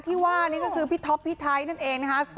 ที่ว่านี่ก็คือพี่ท็อปพี่ไทยนั่นเองนะคะ